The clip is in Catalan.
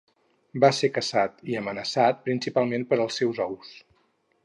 Va ser caçat i amenaçat, principalment per als seus ous.